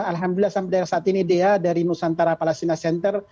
alhamdulillah sampai saat ini dea dari nusantara palestina center